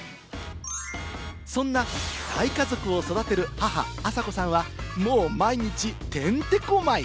そんな大家族を育てる母・朝子さんはもう毎日てんてこ舞い！